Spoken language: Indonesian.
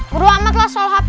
buru amat lah soal hp